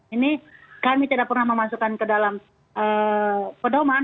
ini kami tidak pernah memasukkan ke dalam pedoman